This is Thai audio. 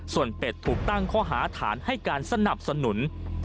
ส่วนเป็ดถูกตั้งข้อหาฐานให้การสนับสนุน